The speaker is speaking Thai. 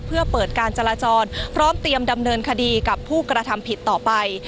เพื่อเปิดการจราจรพร้อมเตรียมดำเนินคดีกับผู้กระทำผิดต่อไป